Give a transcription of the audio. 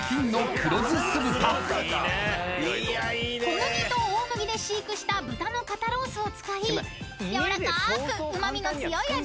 ［小麦と大麦で飼育した豚の肩ロースを使いやわらかくうま味の強い味わい］